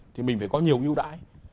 thì mình phải có nhiều ưu đãi